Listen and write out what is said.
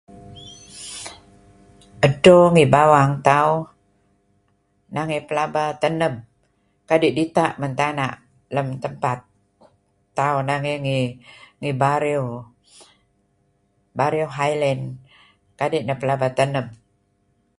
Edto ngi bawang tauhnangey pelaba taneb kadi dita'man tana' tempat tauh nangey ngi Bario, Bario Highlands kadi' neh pelaba taneb.